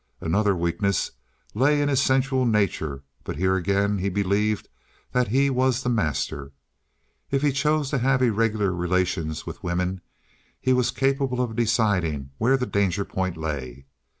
Another weakness lay in his sensual nature; but here again he believed that he was the master. If he chose to have irregular relations with women, he was capable of deciding where the danger point lay.